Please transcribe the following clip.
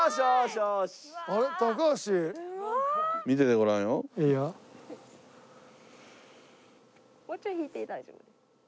もうちょい引いて大丈夫。